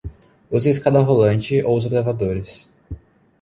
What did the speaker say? Use a escada rolante ou os elevadores